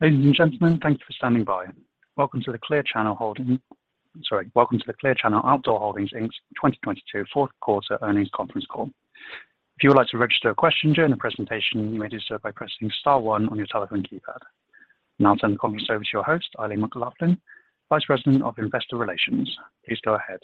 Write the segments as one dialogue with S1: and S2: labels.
S1: Ladies and gentlemen, thank you for standing by. Welcome to the Clear Channel Outdoor Holdings, Inc. 2022 fourth quarter earnings conference call. If you would like to register a question during the presentation, you may do so by pressing star one on your telephone keypad. Now I'll turn the call over to your host, Eileen McLaughlin, Vice President of Investor Relations. Please go ahead.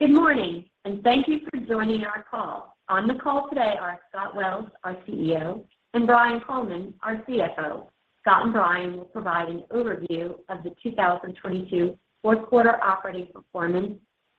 S2: Good morning. Thank you for joining our call. On the call today are Scott Wells, our CEO, and Brian Coleman, our CFO. Scott and Brian will provide an overview of the 2022 fourth quarter operating performance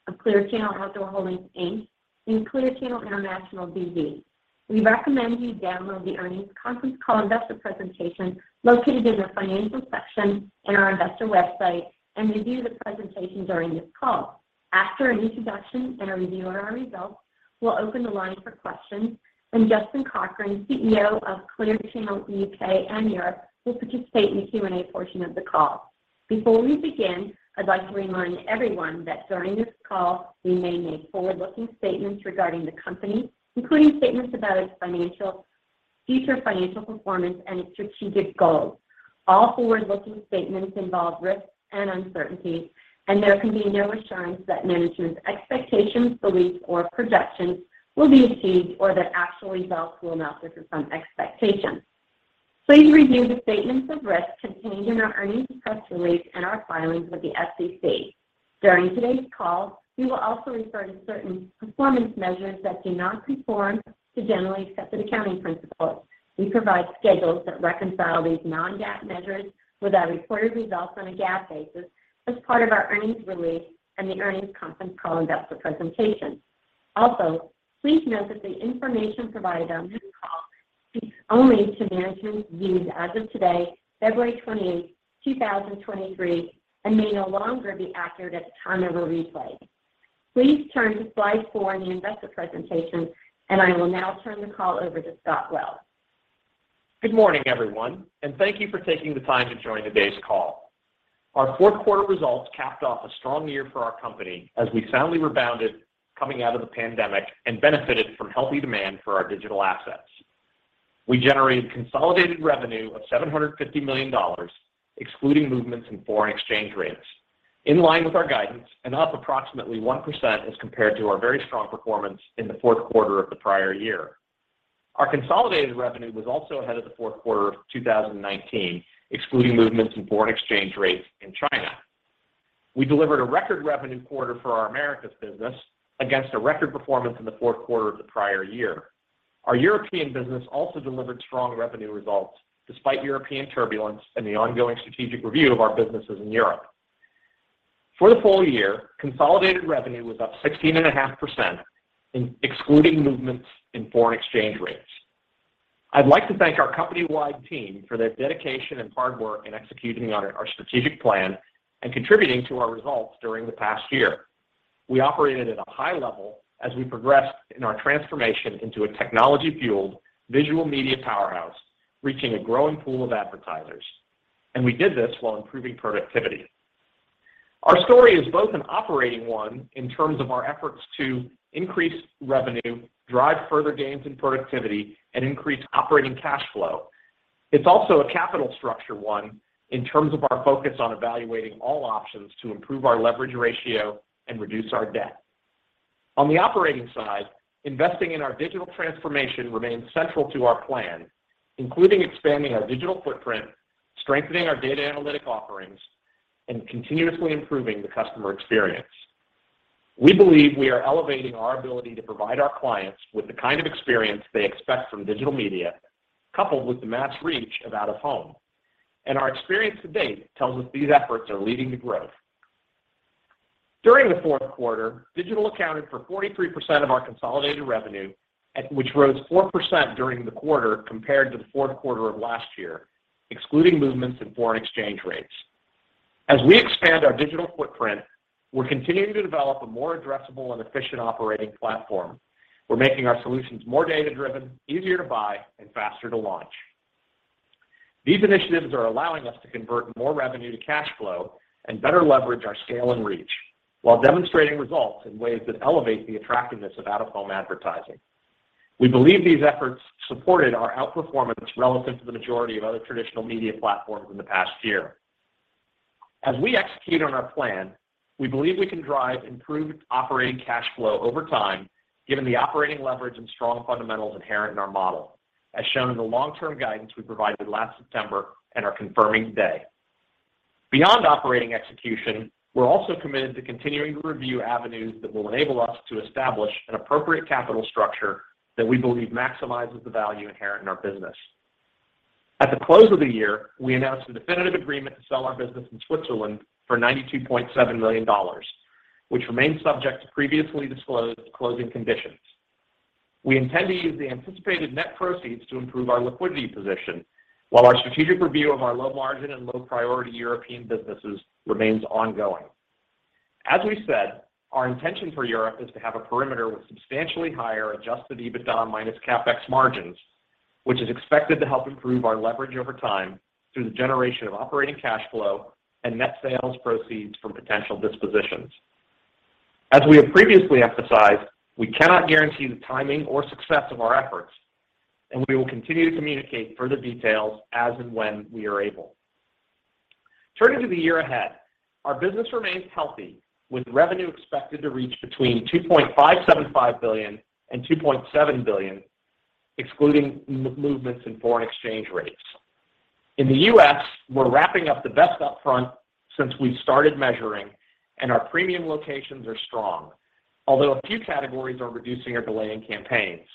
S2: of Clear Channel Outdoor Holdings, Inc. and Clear Channel International BV. We recommend you download the earnings conference call investor presentation located in the Financial section in our investor website and review the presentation during this call. After an introduction and a review of our results, we'll open the line for questions, and Justin Cochrane, CEO of Clear Channel U.K. & Europe, will participate in the Q&A portion of the call. Before we begin, I'd like to remind everyone that during this call, we may make forward-looking statements regarding the company, including statements about its future financial performance and its strategic goals. All forward-looking statements involve risks and uncertainties, and there can be no assurance that management's expectations, beliefs, or projections will be achieved or that actual results will not differ from expectations. Please review the statements of risk contained in our earnings press release and our filings with the SEC. During today's call, we will also refer to certain performance measures that do not conform to generally accepted accounting principles. We provide schedules that reconcile these non-GAAP measures with our reported results on a GAAP basis as part of our earnings release and the earnings conference call investor presentation. Please note that the information provided on this call speaks only to management's views as of today, February 28th, 2023, and may no longer be accurate at the time of a replay. Please turn to slide four in the investor presentation, and I will now turn the call over to Scott Wells.
S3: Good morning, everyone. Thank you for taking the time to join today's call. Our fourth quarter results capped off a strong year for our company as we soundly rebounded coming out of the pandemic and benefited from healthy demand for our digital assets. We generated consolidated revenue of $750 million, excluding movements in foreign exchange rates, in line with our guidance and up approximately 1% as compared to our very strong performance in the fourth quarter of the prior year. Our consolidated revenue was also ahead of the fourth quarter of 2019, excluding movements in foreign exchange rates in China. We delivered a record revenue quarter for our Americas business against a record performance in the fourth quarter of the prior year. Our European business also delivered strong revenue results despite European turbulence and the ongoing strategic review of our businesses in Europe. For the full year, consolidated revenue was up 16.5% excluding movements in foreign exchange rates. I'd like to thank our company-wide team for their dedication and hard work in executing on our strategic plan and contributing to our results during the past year. We operated at a high level as we progressed in our transformation into a technology-fueled visual media powerhouse, reaching a growing pool of advertisers, and we did this while improving productivity. Our story is both an operating one in terms of our efforts to increase revenue, drive further gains in productivity, and increase operating cash flow. It's also a capital structure one in terms of our focus on evaluating all options to improve our leverage ratio and reduce our debt. On the operating side, investing in our digital transformation remains central to our plan, including expanding our digital footprint, strengthening our data analytic offerings, and continuously improving the customer experience. We believe we are elevating our ability to provide our clients with the kind of experience they expect from digital media, coupled with the mass reach of out-of-home. Our experience to date tells us these efforts are leading to growth. During the fourth quarter, digital accounted for 43% of our consolidated revenue which rose 4% during the quarter compared to the fourth quarter of last year, excluding movements in foreign exchange rates. As we expand our digital footprint, we're continuing to develop a more addressable and efficient operating platform. We're making our solutions more data-driven, easier to buy, and faster to launch. These initiatives are allowing us to convert more revenue to cash flow and better leverage our scale and reach while demonstrating results in ways that elevate the attractiveness of out-of-home advertising. We believe these efforts supported our outperformance relative to the majority of other traditional media platforms in the past year. As we execute on our plan, we believe we can drive improved operating cash flow over time, given the operating leverage and strong fundamentals inherent in our model, as shown in the long-term guidance we provided last September and are confirming today. Beyond operating execution, we're also committed to continuing to review avenues that will enable us to establish an appropriate capital structure that we believe maximizes the value inherent in our business. At the close of the year, we announced a definitive agreement to sell our business in Switzerland for $92.7 million, which remains subject to previously disclosed closing conditions. We intend to use the anticipated net proceeds to improve our liquidity position, while our strategic review of our low margin and low priority European businesses remains ongoing. As we said, our intention for Europe is to have a perimeter with substantially higher Adjusted EBITDA minus CapEx margins, which is expected to help improve our leverage over time through the generation of operating cash flow and net sales proceeds from potential dispositions. As we have previously emphasized, we cannot guarantee the timing or success of our efforts, and we will continue to communicate further details as and when we are able. Turning to the year ahead, our business remains healthy, with revenue expected to reach between $2.575 billion and $2.7 billion, excluding movements in foreign exchange rates. In the U.S., we're wrapping up the best upfront since we started measuring, and our premium locations are strong. Although a few categories are reducing or delaying campaigns.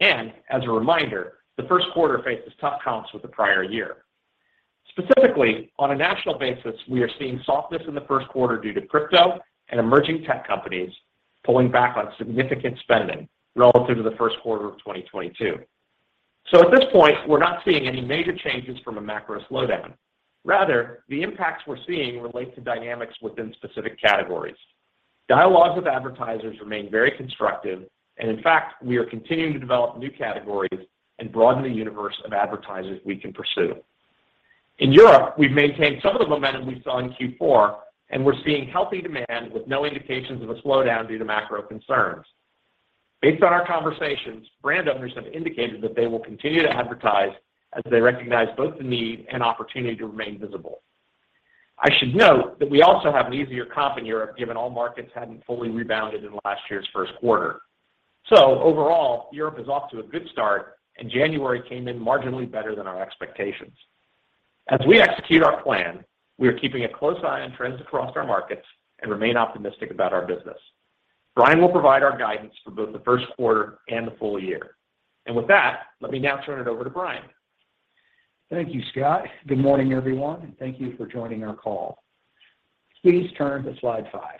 S3: As a reminder, the first quarter faces tough comps with the prior year. Specifically, on a national basis, we are seeing softness in the first quarter due to crypto and emerging tech companies pulling back on significant spending relative to the first quarter of 2022. At this point, we're not seeing any major changes from a macro slowdown. Rather, the impacts we're seeing relate to dynamics within specific categories. Dialogues with advertisers remain very constructive. In fact, we are continuing to develop new categories and broaden the universe of advertisers we can pursue. In Europe, we've maintained some of the momentum we saw in Q4. We're seeing healthy demand with no indications of a slowdown due to macro concerns. Based on our conversations, brand owners have indicated that they will continue to advertise as they recognize both the need and opportunity to remain visible. I should note that we also have an easier comp in Europe, given all markets hadn't fully rebounded in last year's first quarter. Overall, Europe is off to a good start. January came in marginally better than our expectations. As we execute our plan, we are keeping a close eye on trends across our markets and remain optimistic about our business. Brian will provide our guidance for both the first quarter and the full year. With that, let me now turn it over to Brian.
S4: Thank you, Scott. Good morning, everyone, thank you for joining our call. Please turn to slide five.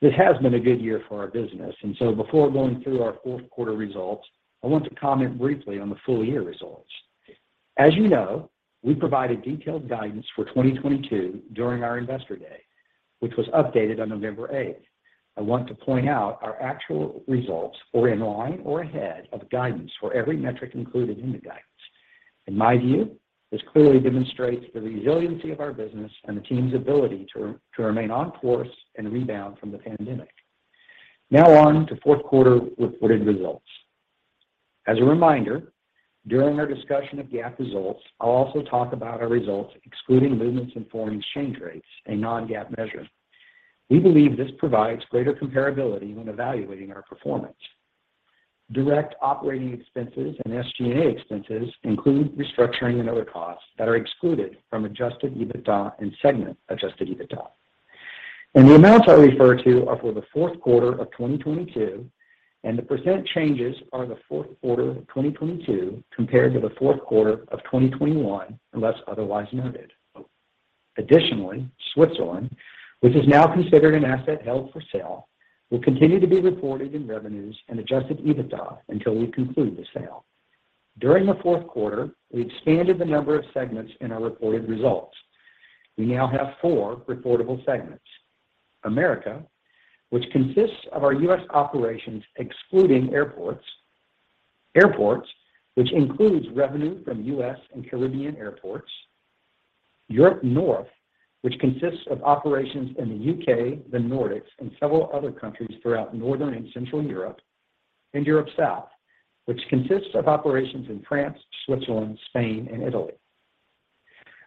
S4: This has been a good year for our business, before going through our fourth quarter results, I want to comment briefly on the full year results. As you know, we provided detailed guidance for 2022 during our Investor Day, which was updated on November 8th. I want to point out our actual results were in line or ahead of guidance for every metric included in the guidance. In my view, this clearly demonstrates the resiliency of our business and the team's ability to remain on course and rebound from the pandemic. On to fourth quarter reported results. As a reminder, during our discussion of GAAP results, I'll also talk about our results excluding movements in foreign exchange rates and non-GAAP measures. We believe this provides greater comparability when evaluating our performance. Direct operating expenses and SG&A expenses include restructuring and other costs that are excluded from Adjusted EBITDA and segment Adjusted EBITDA. The amounts I refer to are for the fourth quarter of 2022, and the % changes are the fourth quarter of 2022 compared to the fourth quarter of 2021, unless otherwise noted. Additionally, Switzerland, which is now considered an asset held for sale, will continue to be reported in revenues and Adjusted EBITDA until we conclude the sale. During the fourth quarter, we expanded the number of segments in our reported results. We now have four reportable segments. America, which consists of our U.S. operations excluding airports. Airports, which includes revenue from U.S. and Caribbean airports. Europe-North, which consists of operations in the U.K., the Nordics, and several other countries throughout Northern and Central Europe. Europe South, which consists of operations in France, Switzerland, Spain, and Italy.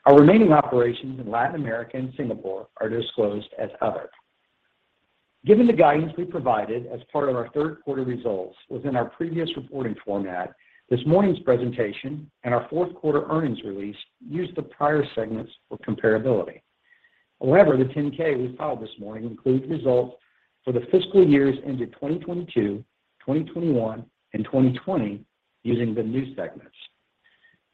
S4: Our remaining operations in Latin America and Singapore are disclosed as Other. Given the guidance we provided as part of our third quarter results within our previous reporting format, this morning's presentation and our fourth quarter earnings release used the prior segments for comparability. However, the 10-K we filed this morning includes results for the fiscal years ended 2022, 2021, and 2020 using the new segments.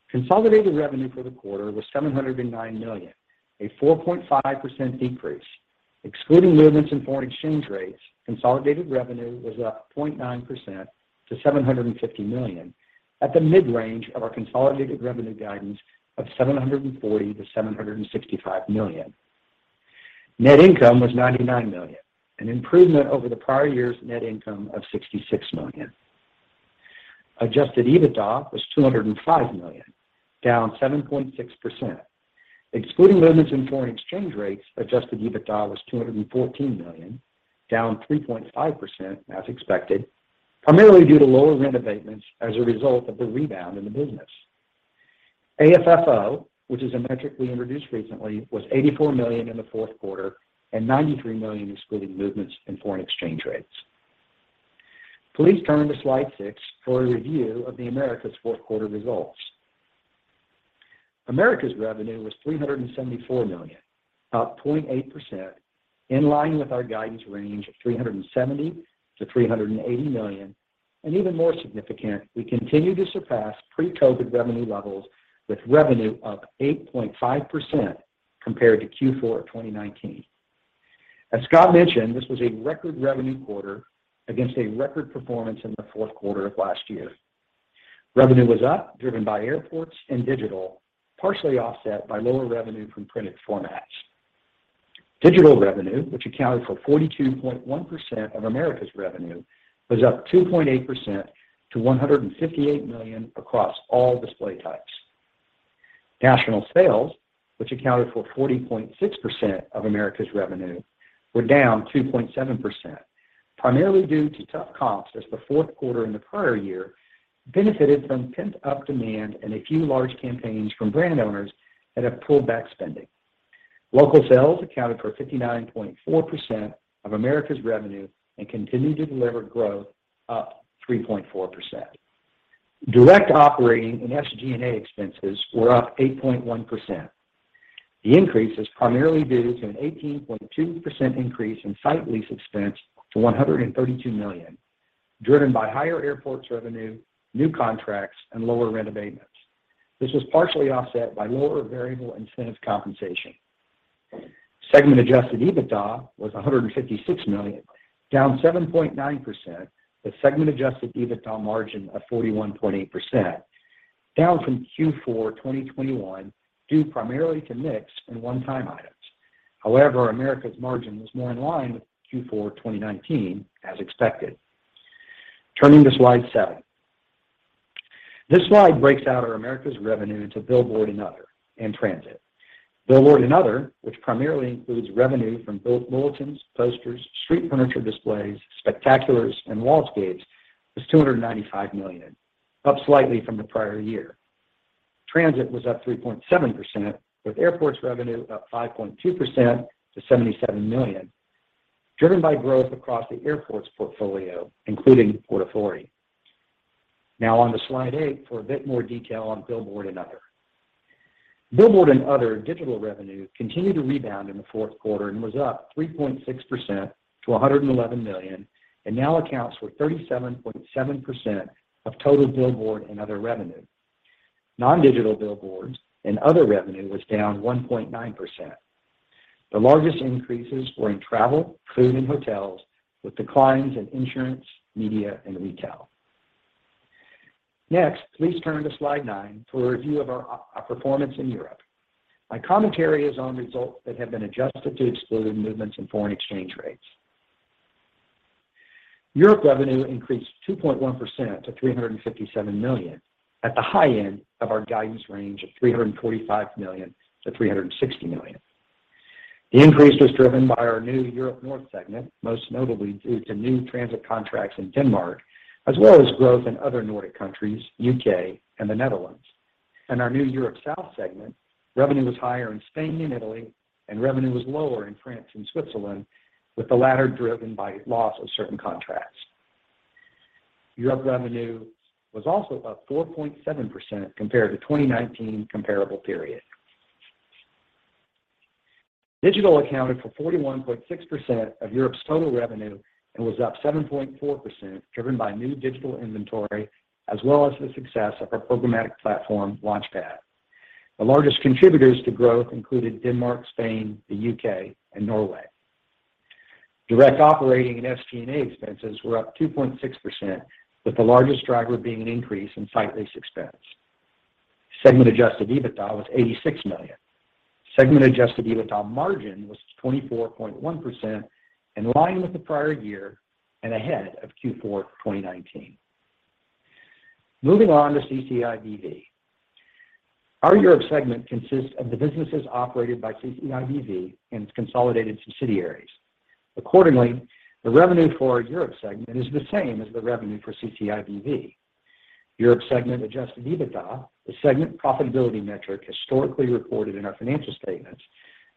S4: Consolidated revenue for the quarter was $709 million, a 4.5% decrease. Excluding movements in foreign exchange rates, consolidated revenue was up 0.9% to $750 million at the mid-range of our consolidated revenue guidance of $740 million-$765 million. Net income was $99 million, an improvement over the prior year's net income of $66 million. Adjusted EBITDA was $205 million, down 7.6%. Excluding movements in foreign exchange rates, Adjusted EBITDA was $214 million, down 3.5% as expected, primarily due to lower rent abatements as a result of the rebound in the business. AFFO, which is a metric we introduced recently, was $84 million in the fourth quarter and $93 million excluding movements in foreign exchange rates. Please turn to slide six for a review of the Americas' fourth quarter results. Americas revenue was $374 million, up 0.8%, in line with our guidance range of $370 million-$380 million. Even more significant, we continue to surpass pre-COVID revenue levels with revenue up 8.5% compared to Q4 of 2019. As Scott mentioned, this was a record revenue quarter against a record performance in the fourth quarter of last year. Revenue was up, driven by airports and digital, partially offset by lower revenue from printed formats. Digital revenue, which accounted for 42.1% of Americas revenue, was up 2.8% to $158 million across all display types. National sales, which accounted for 40.6% of Americas revenue, were down 2.7%, primarily due to tough comps as the fourth quarter in the prior year benefited from pent-up demand and a few large campaigns from brand owners that have pulled back spending. Local sales accounted for 59.4% of Americas revenue and continued to deliver growth up 3.4%. Direct operating and SG&A expenses were up 8.1%. The increase is primarily due to an 18.2% increase in site lease expense to $132 million, driven by higher airports revenue, new contracts, and lower rent abatements. This was partially offset by lower variable incentive compensation. Segment Adjusted EBITDA was $156 million, down 7.9%, with segment Adjusted EBITDA margin of 41.8%, down from Q4 2021, due primarily to mix and one-time items. America's margin was more in line with Q4 2019, as expected. Turning to slide seven. This slide breaks out our America's revenue into billboard and other, and transit. Billboard and other, which primarily includes revenue from both bulletins, posters, street furniture displays, spectaculars, and wallscapes, was $295 million, up slightly from the prior year. Transit was up 3.7%, with airports revenue up 5.2% to $77 million, driven by growth across the airports portfolio, including Port Authority. Now on to slide eight for a bit more detail on billboard and other. Billboard and other digital revenue continued to rebound in the fourth quarter and was up 3.6% to $111 million, and now accounts for 37.7% of total billboard and other revenue. Non-digital billboards and other revenue was down 1.9%. The largest increases were in travel, food, and hotels, with declines in insurance, media, and retail. Next, please turn to slide nine for a review of our performance in Europe. My commentary is on results that have been adjusted to exclude movements in foreign exchange rates. Europe revenue increased 2.1% to $357 million at the high end of our guidance range of $345 million-$360 million. The increase was driven by our new Europe-North segment, most notably due to new transit contracts in Denmark, as well as growth in other Nordic countries, U.K., and the Netherlands. In our new Europe South segment, revenue was higher in Spain and Italy, and revenue was lower in France and Switzerland, with the latter driven by loss of certain contracts. Europe revenue was also up 4.7% compared to 2019 comparable period. Digital accounted for 41.6% of Europe's total revenue and was up 7.4%, driven by new digital inventory as well as the success of our programmatic platform, LaunchPAD. The largest contributors to growth included Denmark, Spain, the U.K. and Norway. Direct operating and SG&A expenses were up 2.6%, with the largest driver being an increase in site lease expense. Segment adjusted EBITDA was $86 million. Segment Adjusted EBITDA margin was 24.1%, in line with the prior year and ahead of Q4 2019. Moving on to CCI BV. Our Europe segment consists of the businesses operated by CCI BV and its consolidated subsidiaries. Accordingly, the revenue for our Europe segment is the same as the revenue for CCI BV. Europe segment Adjusted EBITDA, the segment profitability metric historically reported in our financial statements,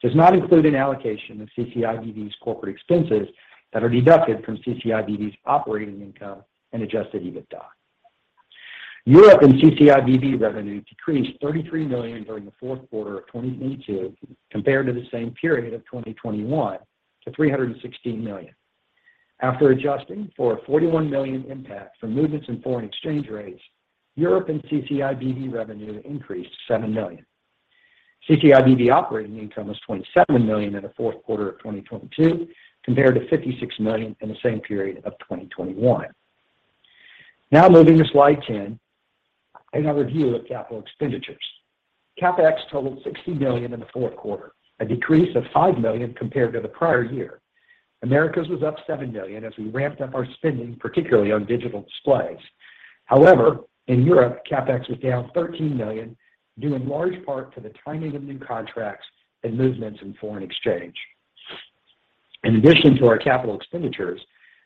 S4: does not include an allocation of CCI BV's corporate expenses that are deducted from CCI BV's operating income and Adjusted EBITDA. Europe and CCI BV revenue decreased $33 million during the fourth quarter of 2022 compared to the same period of 2021 to $316 million. After adjusting for a $41 million impact from movements in foreign exchange rates, Europe and CCI BV revenue increased $7 million. CCI BV operating income was $27 million in the fourth quarter of 2022 compared to $56 million in the same period of 2021. Moving to slide 10 and our review of capital expenditures. CapEx totaled $60 million in the fourth quarter, a decrease of $5 million compared to the prior year. Americas was up $7 million as we ramped up our spending, particularly on digital displays. However, in Europe, CapEx was down $13 million, due in large part to the timing of new contracts and movements in foreign exchange. In addition to our capital expenditures,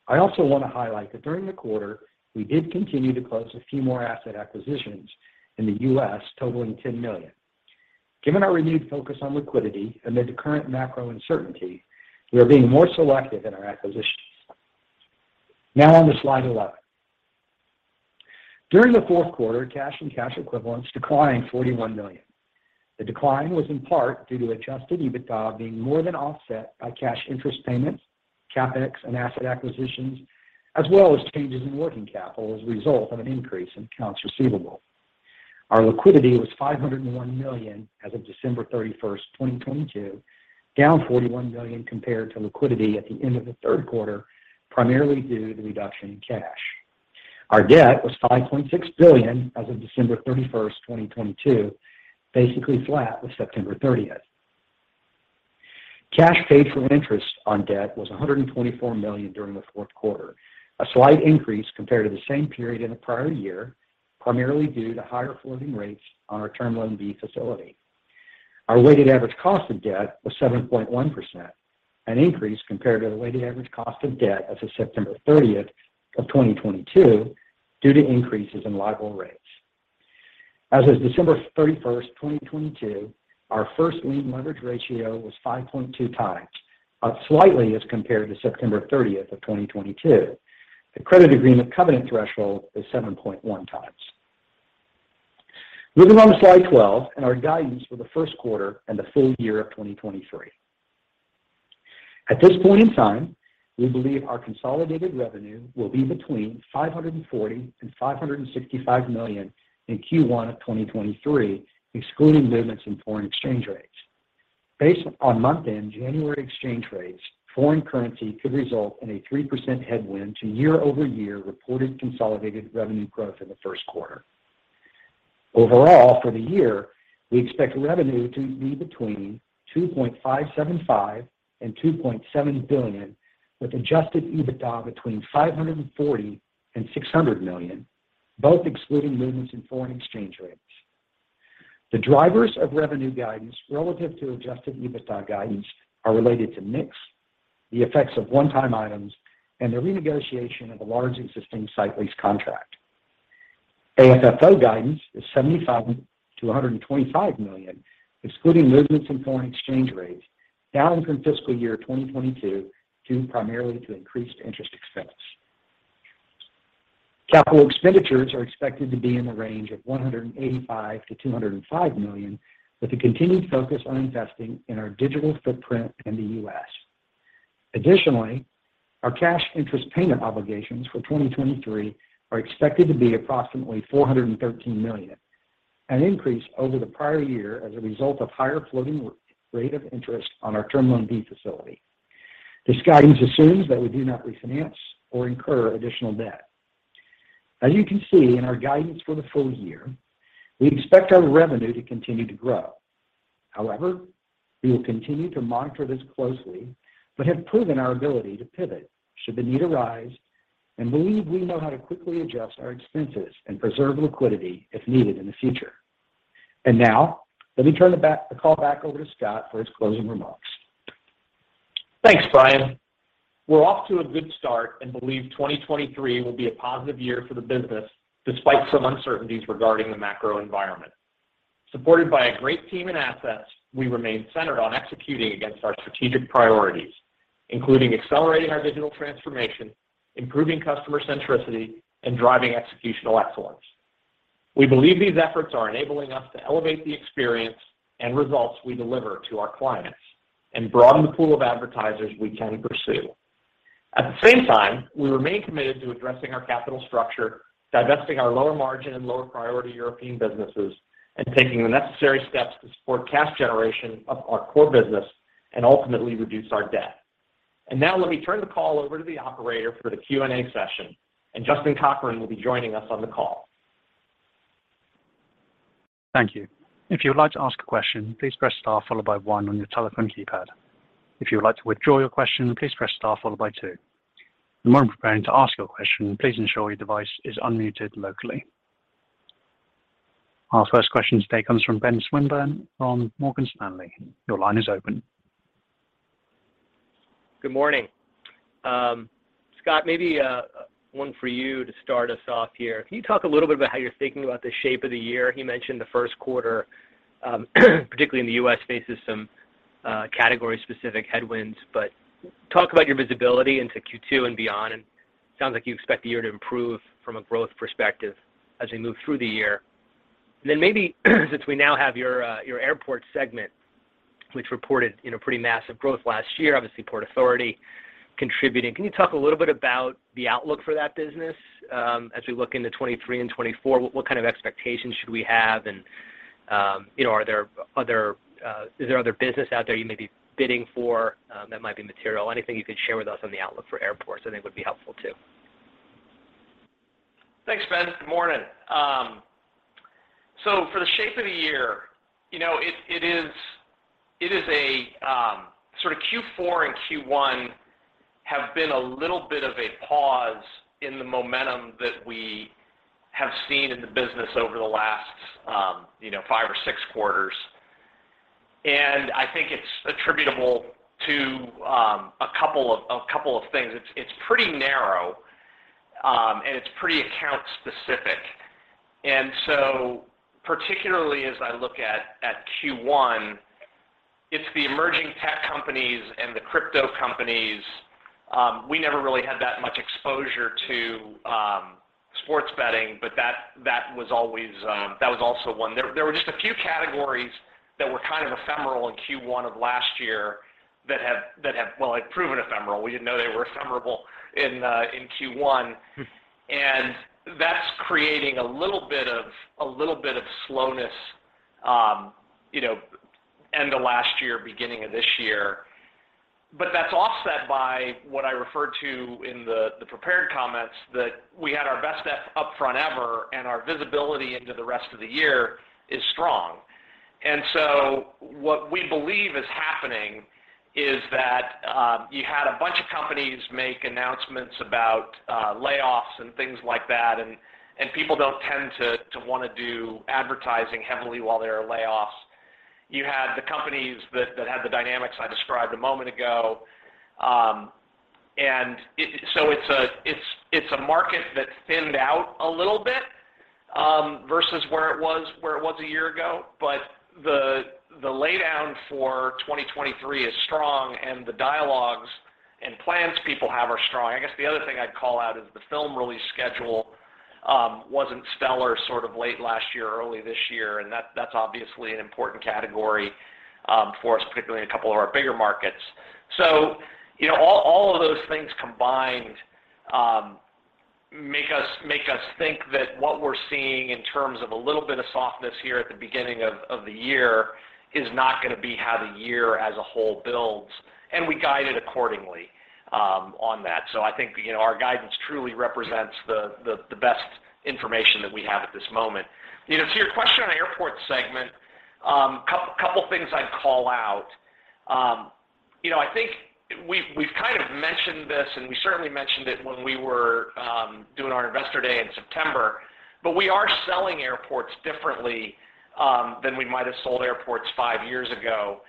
S4: I also want to highlight that during the quarter, we did continue to close a few more asset acquisitions in the U.S. totaling $10 million. Given our renewed focus on liquidity amid the current macro uncertainty, we are being more selective in our acquisitions. On to slide 11. During the fourth quarter, cash and cash equivalents declined $41 million. The decline was in part due to Adjusted EBITDA being more than offset by cash interest payments, CapEx, and asset acquisitions, as well as changes in working capital as a result of an increase in accounts receivable. Our liquidity was $501 million as of December 31st, 2022, down $41 million compared to liquidity at the end of the third quarter, primarily due to the reduction in cash. Our debt was $5.6 billion as of December 31st, 2022, basically flat with September 30th. Cash paid for interest on debt was $124 million during the fourth quarter. A slight increase compared to the same period in the prior year, primarily due to higher floating rates on our Term Loan B facility. Our weighted average cost of debt was 7.1%, an increase compared to the weighted average cost of debt as of September 30th, 2022 due to increases in LIBOR rates. As of December 31st, 2022, our first lien leverage ratio was 5.2x, up slightly as compared to September 30th, 2022. The credit agreement covenant threshold is 7.1x. Moving on to slide 12 and our guidance for the first quarter and the full year of 2023. At this point in time, we believe our consolidated revenue will be between $540 million-$565 million in Q1 of 2023, excluding movements in foreign exchange rates. Based on month end January exchange rates, foreign currency could result in a 3% headwind to year-over-year reported consolidated revenue growth in the first quarter. Overall, for the year, we expect revenue to be between $2.575 billion and $2.7 billion, with Adjusted EBITDA between $540 million and $600 million, both excluding movements in foreign exchange rates. The drivers of revenue guidance relative to Adjusted EBITDA guidance are related to mix, the effects of one-time items, and the renegotiation of a large existing site lease contract. AFFO guidance is $75 million-$125 million, excluding movements in foreign exchange rates, down from fiscal year 2022, due primarily to increased interest expense. Capital expenditures are expected to be in the range of $185 million-$205 million, with a continued focus on investing in our digital footprint in the U.S. Additionally, our cash interest payment obligations for 2023 are expected to be approximately $413 million, an increase over the prior year as a result of higher floating rate of interest on our Term Loan B facility. This guidance assumes that we do not refinance or incur additional debt. As you can see in our guidance for the full year, we expect our revenue to continue to grow. However, we will continue to monitor this closely, but have proven our ability to pivot should the need arise and believe we know how to quickly adjust our expenses and preserve liquidity if needed in the future. Now, let me turn the call back over to Scott for his closing remarks.
S3: Thanks, Brian. We're off to a good start and believe 2023 will be a positive year for the business despite some uncertainties regarding the macro environment. Supported by a great team and assets, we remain centered on executing against our strategic priorities, including accelerating our digital transformation, improving customer centricity, and driving executional excellence. We believe these efforts are enabling us to elevate the experience and results we deliver to our clients and broaden the pool of advertisers we can pursue. At the same time, we remain committed to addressing our capital structure, divesting our lower margin and lower priority European businesses, and taking the necessary steps to support cash generation of our core business and ultimately reduce our debt. Let me turn the call over to the operator for the Q&A session, and Justin Cochrane will be joining us on the call.
S1: Thank you. If you would like to ask a question, please press star one on your telephone keypad. If you would like to withdraw your question, please press star two. When preparing to ask your question, please ensure your device is unmuted locally. Our first question today comes from Ben Swinburne from Morgan Stanley. Your line is open.
S5: Good morning. Scott, maybe one for you to start us off here. Can you talk a little bit about how you're thinking about the shape of the year? You mentioned the first quarter, particularly in the U.S., faces some category-specific headwinds. Talk about your visibility into Q2 and beyond. Sounds like you expect the year to improve from a growth perspective as we move through the year. Maybe, since we now have your airport segment, which reported, you know, pretty massive growth last year, obviously, Port Authority contributing, can you talk a little bit about the outlook for that business as we look into 2023 and 2024? What kind of expectations should we have? You know, are there other, is there other business out there you may be bidding for that might be material? Anything you could share with us on the outlook for airports, I think, would be helpful too.
S3: Thanks, Ben. Good morning. For the shape of the year, you know, it is a sort of Q4 and Q1 have been a little bit of a pause in the momentum that we have seen in the business over the last, you know, five or six quarters. I think it's attributable to a couple of things. It's pretty narrow and it's pretty account specific. Particularly as I look at Q1, it's the emerging tech companies and the crypto companies. We never really had that much exposure to sports betting, but that was always also one. There were just a few categories that were kind of ephemeral in Q1 of last year that have, well, like proven ephemeral. We didn't know they were ephemeral in Q1. That's creating a little bit of slowness, you know, end of last year, beginning of this year. That's offset by what I referred to in the prepared comments that we had our best upfront ever and our visibility into the rest of the year is strong. What we believe is happening is that you had a bunch of companies make announcements about layoffs and things like that, and people don't tend to wanna do advertising heavily while there are layoffs. You had the companies that had the dynamics I described a moment ago. So it's a market that thinned out a little bit versus where it was a year ago. The laydown for 2023 is strong, and the dialogues and plans people have are strong. I guess the other thing I'd call out is the film release schedule wasn't stellar sort of late last year, early this year, and that's obviously an important category for us, particularly in a couple of our bigger markets. You know, all of those things combined make us think that what we're seeing in terms of a little bit of softness here at the beginning of the year is not gonna be how the year as a whole builds, and we guide it accordingly on that. I think, you know, our guidance truly represents the best information that we have at this moment. You know, to your question on airport segment, couple things I'd call out. You know, I think we've kind of mentioned this. We certainly mentioned it when we were doing our investor day in September. We are selling airports differently than we might have sold airports five years ago.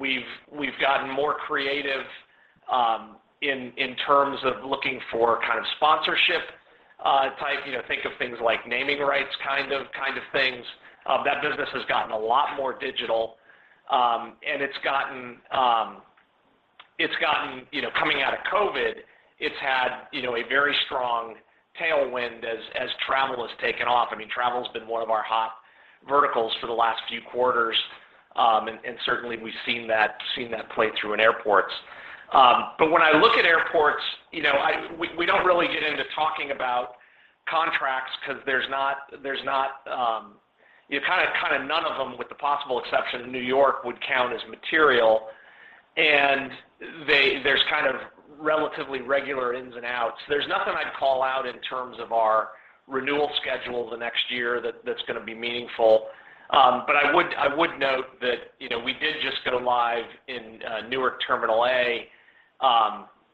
S3: We've gotten more creative in terms of looking for kind of sponsorship type. You know, think of things like naming rights kind of things. That business has gotten a lot more digital. It's gotten. You know, coming out of COVID, it's had, you know, a very strong tailwind as travel has taken off. I mean, travel's been one of our hot verticals for the last few quarters. Certainly we've seen that play through in airports. When I look at airports, you know, we don't really get into talking about contracts 'cause there's not. You know, kinda none of them, with the possible exception of New York, would count as material. There's kind of relatively regular ins and outs. There's nothing I'd call out in terms of our renewal schedule the next year that's gonna be meaningful. But I would note that, you know, we did just go live in Newark Terminal A,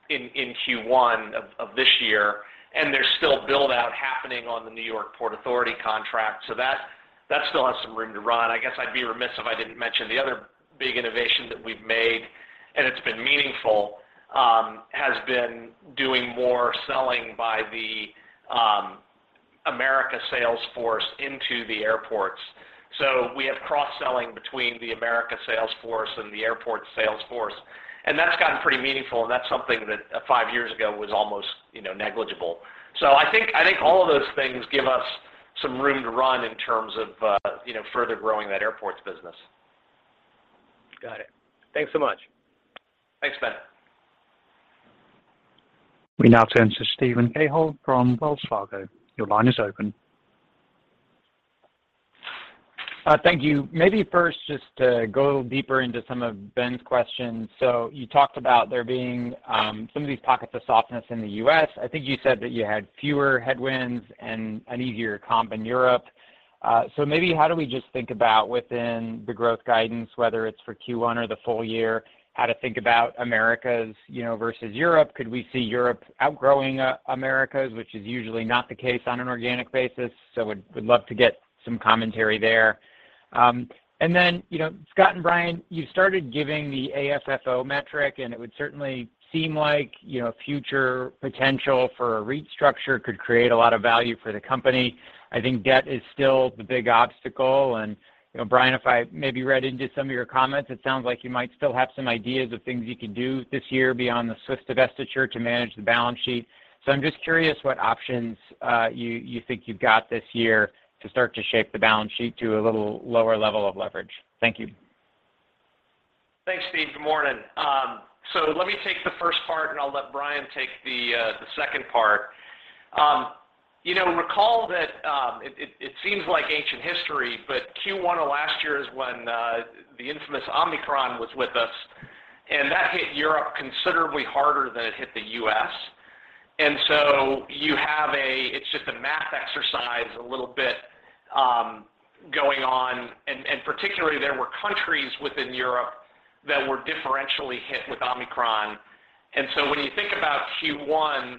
S3: in Q1 of this year, and there's still build-out happening on the New York Port Authority contract. That still has some room to run. I guess I'd be remiss if I didn't mention the other big innovation that we've made, and it's been meaningful, has been doing more selling by the America sales force into the airports. We have cross-selling between the America sales force and the airports sales force, and that's gotten pretty meaningful, and that's something that, five years ago was almost, you know, negligible. I think, I think all of those things give us some room to run in terms of, you know, further growing that airports business.
S5: Got it. Thanks so much.
S3: Thanks, Ben.
S1: We now turn to Steven Cahall from Wells Fargo. Your line is open.
S6: Thank you. Maybe first just to go a little deeper into some of Ben's questions. You talked about there being some of these pockets of softness in the U.S. I think you said that you had fewer headwinds and an easier comp in Europe. Maybe how do we just think about within the growth guidance, whether it's for Q1 or the full year, how to think about Americas, you know, versus Europe? Could we see Europe outgrowing Americas, which is usually not the case on an organic basis? Would love to get some commentary there. And then, you know, Scott and Brian, you started giving the AFFO metric, and it would certainly seem like, you know, future potential for a restructure could create a lot of value for the company. I think debt is still the big obstacle. You know, Brian, if I maybe read into some of your comments, it sounds like you might still have some ideas of things you could do this year beyond the Switzerland divestiture to manage the balance sheet. I'm just curious what options you think you've got this year to start to shape the balance sheet to a little lower level of leverage. Thank you.
S3: Thanks, Steve. Good morning. Let me take the first part, and I'll let Brian take the second part. You know, recall that, it seems like ancient history, but Q1 of last year is when the infamous Omicron was with us, and that hit Europe considerably harder than it hit the U.S. It's just a math exercise a little bit, going on and particularly there were countries within Europe that were differentially hit with Omicron. When you think about Q1,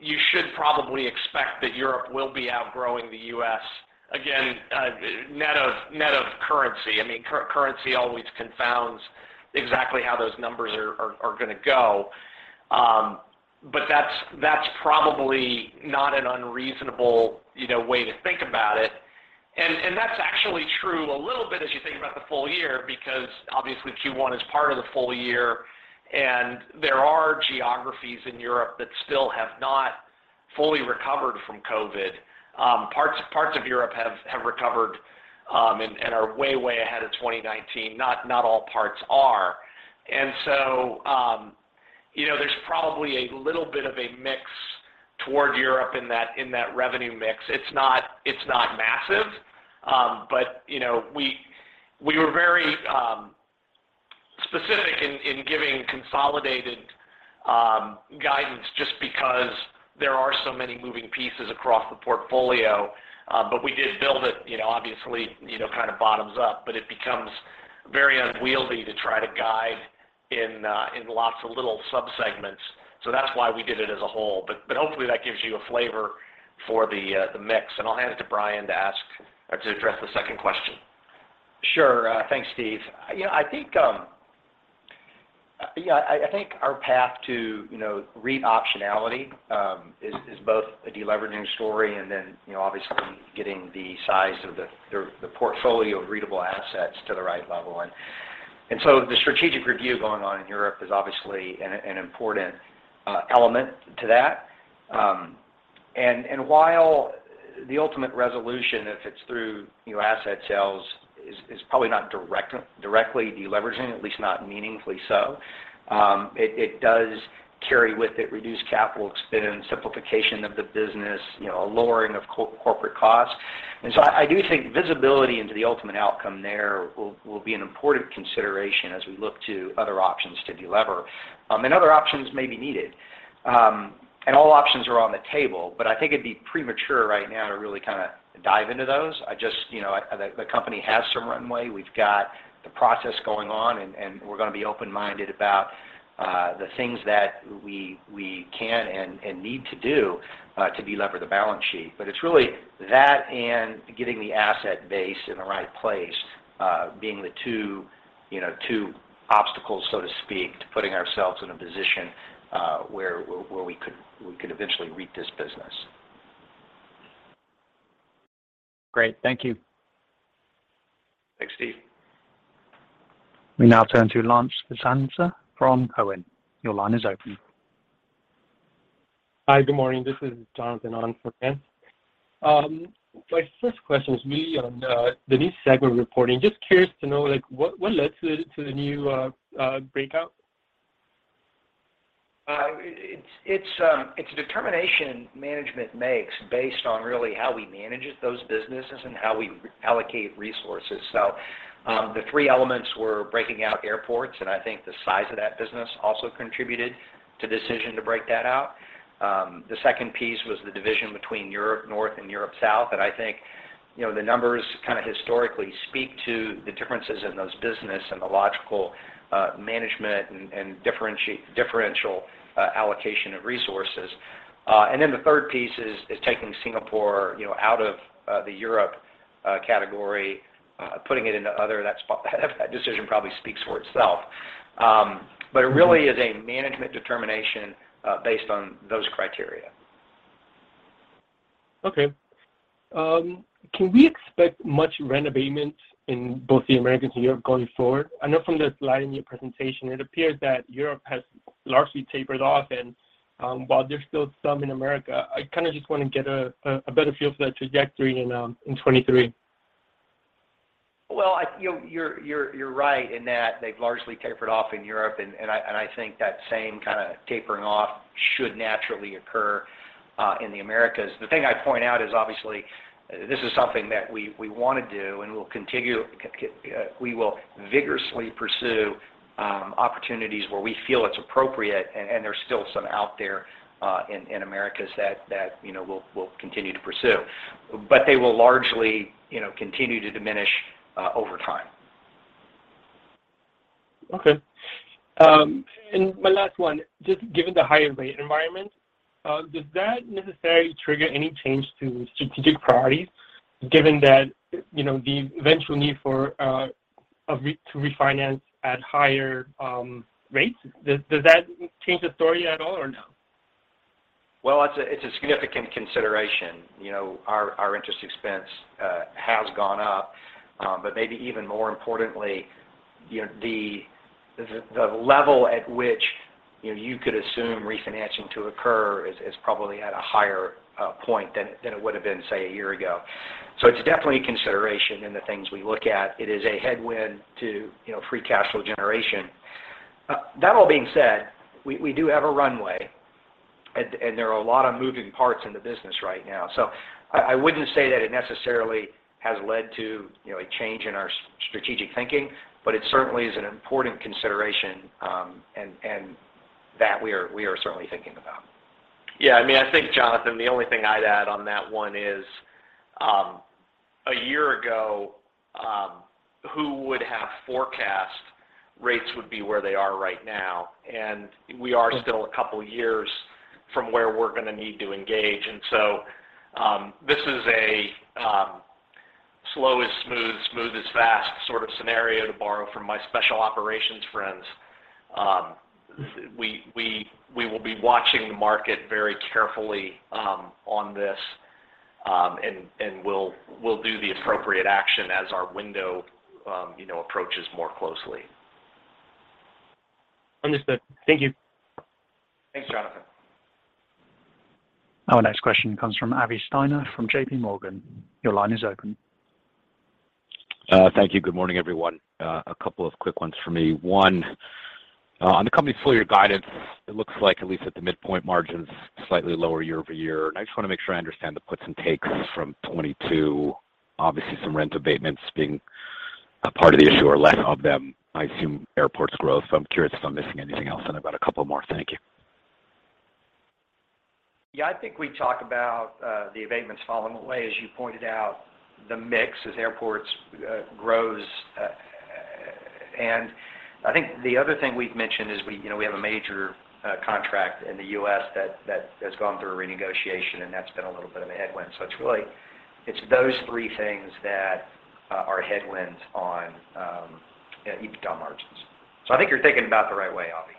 S3: you should probably expect that Europe will be outgrowing the U.S. Again, net of, net of currency. I mean, currency always confounds exactly how those numbers are gonna go. That's probably not an unreasonable, you know, way to think about it. That's actually true a little bit as you think about the full year, because obviously Q1 is part of the full year, and there are geographies in Europe that still have not fully recovered from COVID. Parts of Europe have recovered and are way ahead of 2019. Not all parts are. So, you know, there's probably a little bit of a mix toward Europe in that revenue mix. It's not massive. But, you know, we were very specific in giving consolidated guidance just because there are so many moving pieces across the portfolio. We did build it, you know, obviously, you know, kind of bottoms up. It becomes very unwieldy to try to guide in lots of little subsegments. That's why we did it as a whole. But hopefully that gives you a flavor for the mix. I'll hand it to Brian to address the second question.
S4: Sure. thanks, Steve. You know, I think, yeah, I think our path to, you know, REIT optionality is both a deleveraging story and then, you know, obviously getting the size of the portfolio of REIT-able assets to the right level. The strategic review going on in Europe is obviously an important element to that. While the ultimate resolution, if it's through, you know, asset sales, is probably not directly deleveraging, at least not meaningfully so, it does carry with it reduced capital expense, simplification of the business, you know, a lowering of corporate costs. I do think visibility into the ultimate outcome there will be an important consideration as we look to other options to deliver. Other options may be needed. All options are on the table, but I think it'd be premature right now to really kinda dive into those. I just, you know, the company has some runway. We've got the process going on and we're gonna be open-minded about the things that we can and need to do to deliver the balance sheet. It's really that and getting the asset base in the right place, being the two, you know, two obstacles, so to speak, to putting ourselves in a position where we could eventually REIT this business.
S6: Great. Thank you.
S3: Thanks, Steve.
S1: We now turn to Lance Vitanza from Cowen. Your line is open.
S7: Hi. Good morning. This is Jonathan on for Ken. My first question was really on the new segment reporting. Just curious to know, like what led to the new breakout?
S4: It's a determination management makes based on really how we manage those businesses and how we allocate resources. The three elements were breaking out airports, and I think the size of that business also contributed to the decision to break that out. The second piece was the division between Europe-North and Europe South. I think, you know, the numbers kind of historically speak to the differences in those business and the logical management and differential allocation of resources. The third piece is taking Singapore, you know, out of the Europe category, putting it into other. That decision probably speaks for itself. It really is a management determination based on those criteria.
S8: Can we expect much rent abatement in both the Americas and Europe going forward? I know from the slide in your presentation it appeared that Europe has largely tapered off and, while there's still some in America. I kind of just wanna get a better feel for that trajectory in 23.
S4: Well, I, you know, you're right in that they've largely tapered off in Europe and I think that same kinda tapering off should naturally occur in the Americas. The thing I'd point out is obviously this is something that we wanna do and we will vigorously pursue opportunities where we feel it's appropriate and there's still some out there in Americas that, you know, we'll continue to pursue. They will largely, you know, continue to diminish over time.
S8: Okay. My last one. Just given the higher rate environment, does that necessarily trigger any change to strategic priorities given that, you know, the eventual need for a RE- to refinance at higher rates? Does that change the story at all or no?
S4: Well, it's a significant consideration. You know, our interest expense has gone up. Maybe even more importantly, you know, the level at which, you know, you could assume refinancing to occur is probably at a higher point than it would have been, say, a year ago. It's definitely a consideration in the things we look at. It is a headwind to, you know, free cash flow generation. That all being said, we do have a runway and there are a lot of moving parts in the business right now. I wouldn't say that it necessarily has led to, you know, a change in our strategic thinking, but it certainly is an important consideration, and that we are certainly thinking about.
S3: Yeah. I mean, I think, Jonathan, the only thing I'd add on that one is, a year ago, who would have forecast rates would be where they are right now? We are still a couple years from where we're gonna need to engage. This is a slow is smooth is fast sort of scenario to borrow from my special operations friends. We will be watching the market very carefully on this, and we'll do the appropriate action as our window, you know, approaches more closely.
S7: Understood. Thank you.
S3: Thanks, Jonathan.
S1: Our next question comes from Avi Steiner from JP Morgan. Your line is open.
S9: Thank you. Good morning, everyone. A couple of quick ones for me. One, on the company's full year guidance, it looks like at least at the midpoint margin's slightly lower year-over-year. I just wanna make sure I understand the puts and takes from 2022. Obviously, some rent abatements being a part of the issue or less of them, I assume airports growth. I'm curious if I'm missing anything else, and I've got a couple more. Thank you.
S3: Yeah. I think we talk about the abatements falling away, as you pointed out, the mix as airports grows. I think the other thing we've mentioned is we, you know, we have a major contract in the U.S. that has gone through a renegotiation, and that's been a little bit of a headwind. It's really those three things that are headwinds on EBITDA margins. I think you're thinking about it the right way, Avi.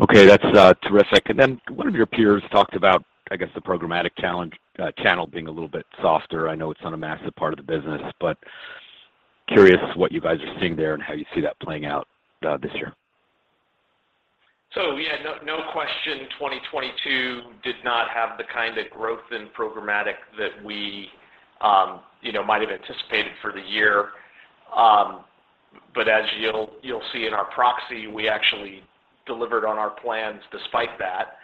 S9: Okay. That's terrific. Then one of your peers talked about, I guess, the programmatic channel being a little bit softer. I know it's not a massive part of the business, but curious what you guys are seeing there and how you see that playing out this year.
S3: Yeah, no question, 2022 did not have the kind of growth in programmatic that we, you know, might have anticipated for the year. As you'll see in our proxy, we actually delivered on our plans despite that.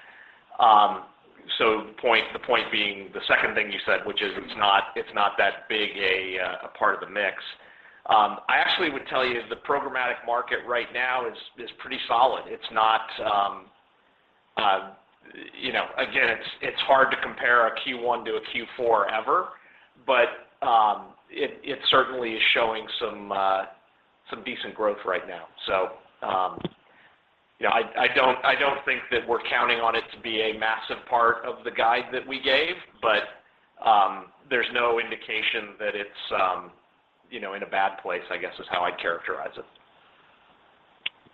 S3: The point being the second thing you said, which is it's not, it's not that big a part of the mix. I actually would tell you the programmatic market right now is pretty solid. It's not, you know... Again, it's hard to compare a Q1 to a Q4 ever, but it certainly is showing some decent growth right now. you know, I don't think that we're counting on it to be a massive part of the guide that we gave, but there's no indication that it's, you know, in a bad place, I guess, is how I'd characterize it.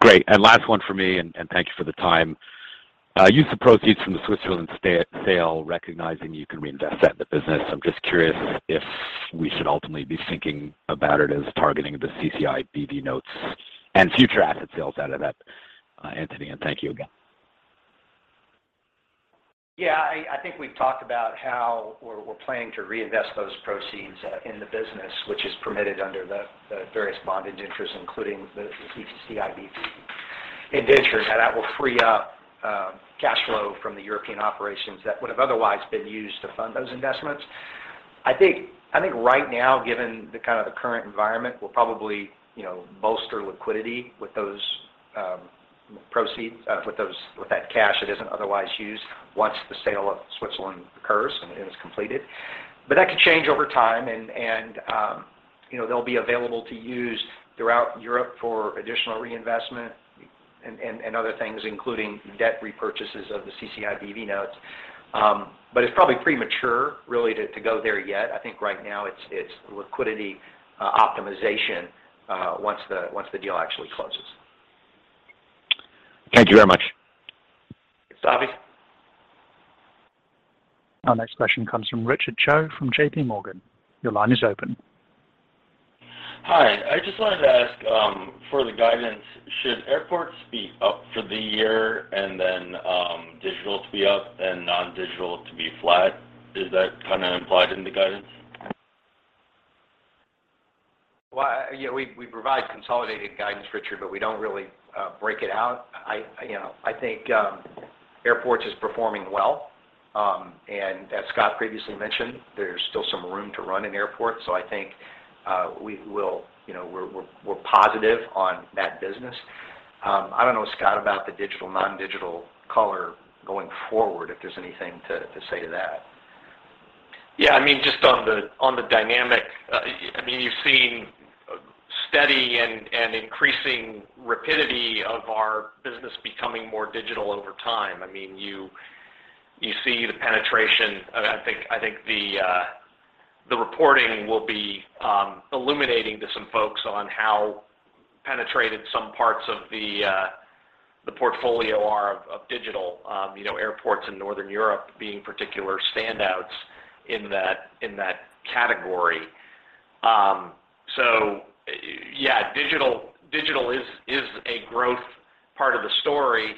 S9: Great. Last one for me, and thank you for the time. Use of proceeds from the Switzerland sale, recognizing you can reinvest that in the business. I'm just curious if we should ultimately be thinking about it as targeting the CCI BV notes and future asset sales out of that entity. Thank you again.
S3: Yeah. I think we're planning to reinvest those proceeds in the business, which is permitted under the various bond indentures, including the CCIBV indentures, how that will free up cash flow from the European operations that would have otherwise been used to fund those investments. I think right now, given the kind of the current environment, we'll probably, you know, bolster liquidity with those proceeds, with that cash that isn't otherwise used once the sale of Switzerland occurs and is completed. That could change over time and, you know, they'll be available to use throughout Europe for additional reinvestment and other things, including debt repurchases of the CCIBV notes. It's probably premature really to go there yet. I think right now it's liquidity optimization once the deal actually closes.
S9: Thank you very much.
S3: Thanks, Avi.
S1: Our next question comes from Richard Choe from JP Morgan. Your line is open.
S10: Hi. I just wanted to ask, for the guidance, should airports be up for the year and then, digital to be up and non-digital to be flat? Is that kinda implied in the guidance?
S3: Yeah, we provide consolidated guidance, Richard Choe, but we don't really break it out. You know, I think airports is performing well. As Scott Wells previously mentioned, there's still some room to run in airports. I think we will, you know, we're positive on that business. I don't know, Scott Wells, about the digital, non-digital color going forward, if there's anything to say to that. Just on the dynamic, I mean, you've seen a steady and increasing rapidity of our business becoming more digital over time. You see the penetration. I think the reporting will be illuminating to some folks on how penetrated some parts of the portfolio are of digital. You know, airports in Northern Europe being particular standouts in that category. Yeah, digital is a growth part of the story.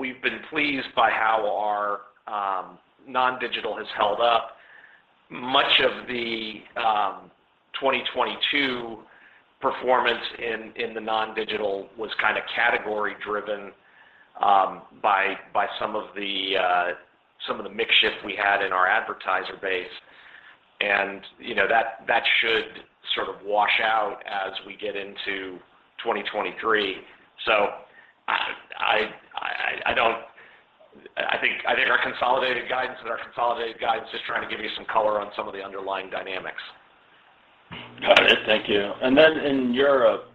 S3: We've been pleased by how our non-digital has held up. Much of the 2022 performance in the non-digital was kinda category-driven by some of the mix shift we had in our advertiser base. You know, that should sort of wash out as we get into 2023. I don't... I think our consolidated guidance is our consolidated guidance, just trying to give you some color on some of the underlying dynamics.
S10: Got it. Thank you. Then in Europe,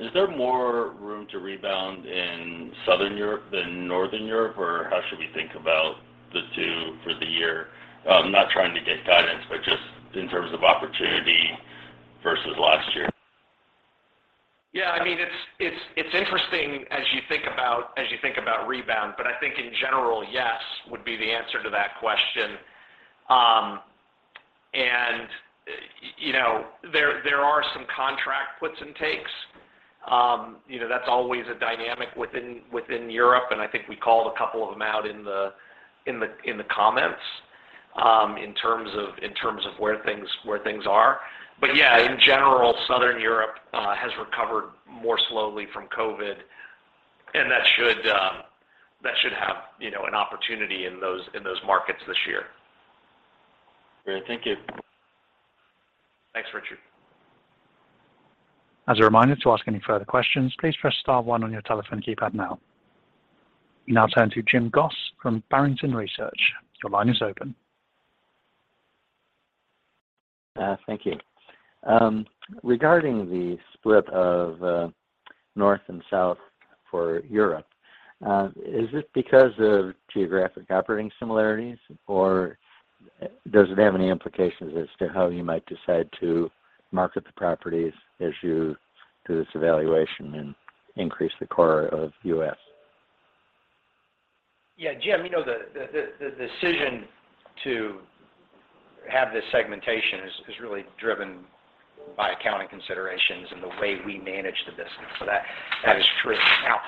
S10: is there more room to rebound in Southern Europe than Northern Europe? How should we think about the two for the year? Not trying to get guidance, but just in terms of opportunity versus last year.
S3: Yeah, I mean, it's interesting as you think about rebound. I think in general, yes, would be the answer to that question. You know, there are some contract puts and takes. You know, that's always a dynamic within Europe, and I think we called a couple of them out in the comments in terms of where things are. Yeah, in general, Southern Europe has recovered more slowly from COVID, and that should have, you know, an opportunity in those markets this year.
S10: Great. Thank you.
S3: Thanks, Richard.
S1: As a reminder to ask any further questions, please press star one on your telephone keypad now. We now turn to Jim Goss from Barrington Research. Your line is open.
S11: Thank you. Regarding the split of north and south for Europe, is this because of geographic operating similarities, or does it have any implications as to how you might decide to market the properties as you do this evaluation and increase the core of U.S.?
S3: Yeah. Jim, you know, the decision to have this segmentation is really driven by accounting considerations and the way we manage the business. That is true. Now,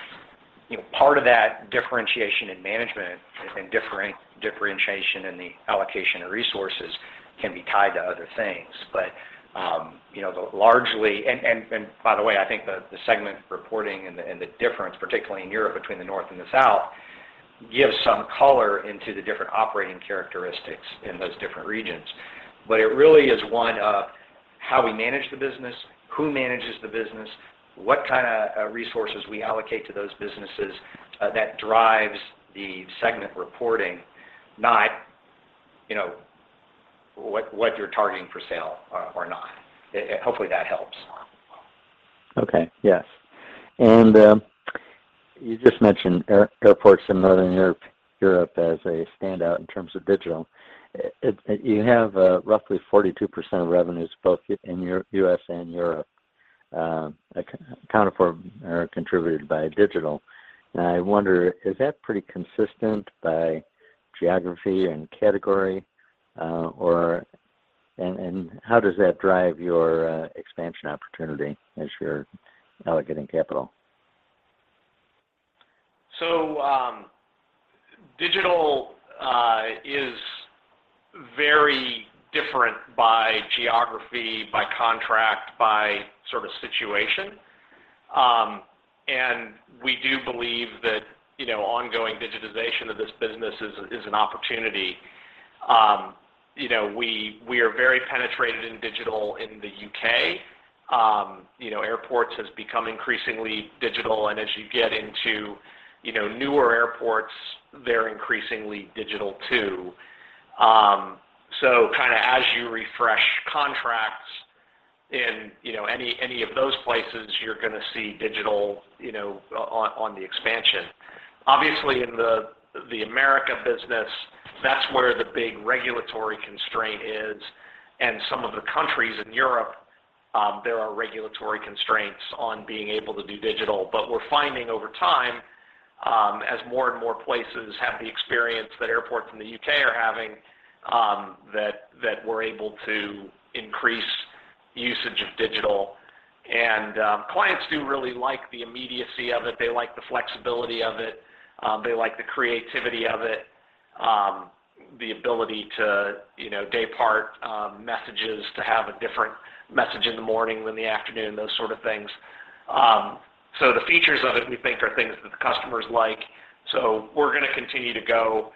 S3: you know, part of that differentiation in management and differentiation in the allocation of resources can be tied to other things. you know, the largely... by the way, I think the segment reporting and the difference, particularly in Europe between the north and the south, gives some color into the different operating characteristics in those different regions. It really is one of how we manage the business, who manages the business, what kind of resources we allocate to those businesses, that drives the segment reporting, not, you know, what you're targeting for sale or not. Hopefully that helps.
S11: Okay. Yes. You just mentioned airports in Northern Europe as a standout in terms of digital. You have roughly 42% of revenues both in U.S. and Europe accounted for or contributed by digital. I wonder, is that pretty consistent by geography and category, or how does that drive your expansion opportunity as you're allocating capital?
S3: Digital is very different by geography, by contract, by sort of situation. We do believe that, you know, ongoing digitization of this business is an opportunity. You know, we are very penetrated in digital in the U.K. You know, airports has become increasingly digital, and as you get into, you know, newer airports, they're increasingly digital too. Kind of as you refresh contracts in, you know, any of those places, you're gonna see digital, you know, on the expansion. Obviously, in the America business, that's where the big regulatory constraint is. Some of the countries in Europe, there are regulatory constraints on being able to do digital. We're finding over time, as more and more places have the experience that airports in the U.K. are having, that we're able to increase usage of digital. Clients do really like the immediacy of it. They like the flexibility of it. They like the creativity of it. The ability to, you know, day part, messages to have a different message in the morning than the afternoon, those sort of things. The features of it, we think, are things that the customers like. We're gonna continue to go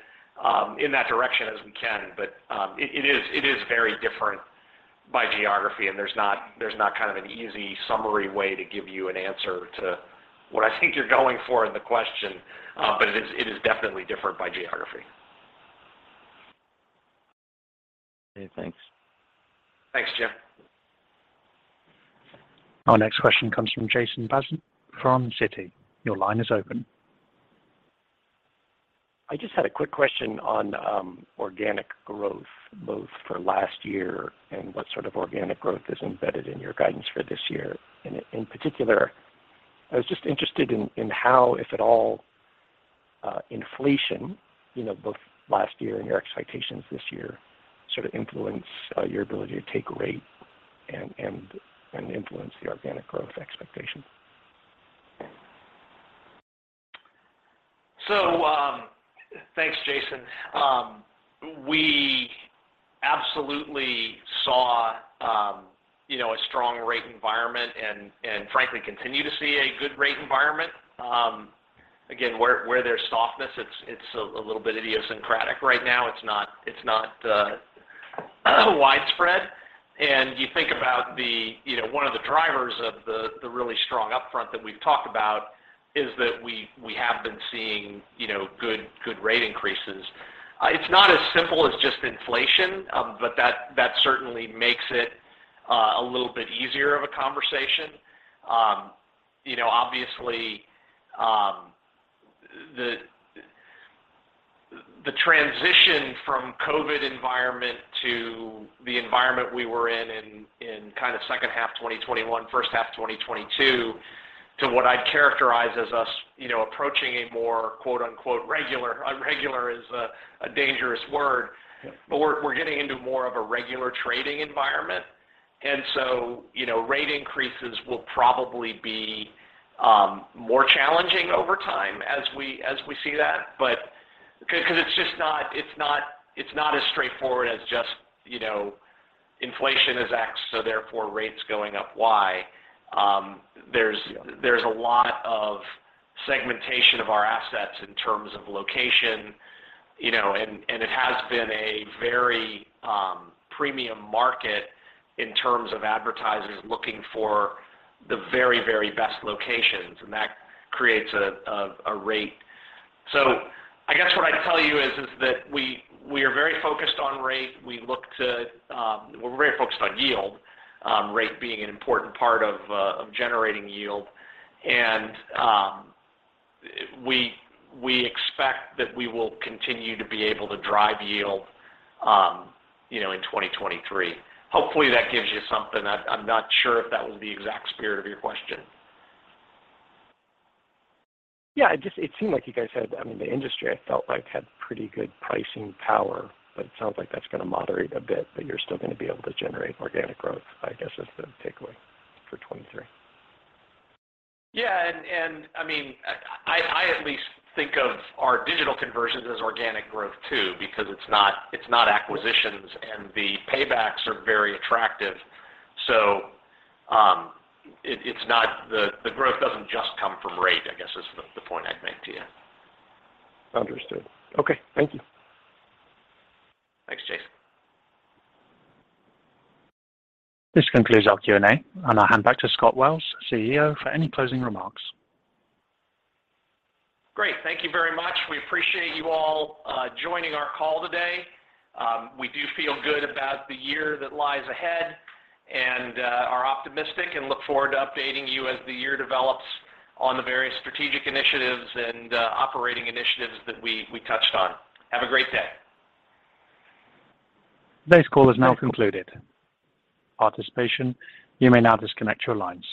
S3: in that direction as we can. It is very different by geography, and there's not kind of an easy summary way to give you an answer to what I think you're going for in the question. It is definitely different by geography.
S11: Okay. Thanks.
S3: Thanks, Jim.
S1: Our next question comes from Jason Bazinet from Citi. Your line is open.
S12: I just had a quick question on organic growth, both for last year and what sort of organic growth is embedded in your guidance for this year. In particular, I was just interested in how, if at all, inflation, you know, both last year and your expectations this year sort of influence your ability to take rate and influence the organic growth expectation.
S3: Thanks, Jason. We absolutely saw, you know, a strong rate environment and, frankly continue to see a good rate environment. Again, where there's softness, it's a little bit idiosyncratic right now. It's not widespread. You think about the... You know, one of the drivers of the really strong upfront that we've talked about is that we have been seeing, you know, good rate increases. It's not as simple as just inflation, but that certainly makes it a little bit easier of a conversation. You know, obviously, the transition from COVID environment to the environment we were in kind of second half 2021, first half 2022, to what I'd characterize as us, you know, approaching a more, "regular." Regular is a dangerous word, but we're getting into more of a regular trading environment. You know, rate increases will probably be more challenging over time as we see that. Because it's just not as straightforward as just, you know, inflation is X, so therefore rate's going up Y. There's a lot of segmentation of our assets in terms of location, you know, and it has been a very premium market in terms of advertisers looking for the very best locations, and that creates a rate. I guess what I'd tell you is that we are very focused on rate. We look to. We're very focused on yield, rate being an important part of generating yield. We expect that we will continue to be able to drive yield, you know, in 2023. Hopefully, that gives you something. I'm not sure if that was the exact spirit of your question.
S12: Yeah. It seemed like you guys had, I mean, the industry, I felt like, had pretty good pricing power, but it sounds like that's gonna moderate a bit, but you're still gonna be able to generate organic growth, I guess is the takeaway for 2023.
S3: Yeah. I mean, I at least think of our digital conversions as organic growth too, because it's not, it's not acquisitions, and the paybacks are very attractive. The growth doesn't just come from rate, I guess, is the point I'd make to you.
S12: Understood. Okay. Thank you.
S3: Thanks, Jason.
S1: This concludes our Q&A, and I'll hand back to Scott Wells, CEO, for any closing remarks.
S3: Great. Thank you very much. We appreciate you all joining our call today. We do feel good about the year that lies ahead and are optimistic and look forward to updating you as the year develops on the various strategic initiatives and operating initiatives that we touched on. Have a great day.
S1: Today's call has now concluded. Participation, you may now disconnect your lines.